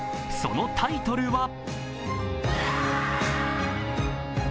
そのタイトルは。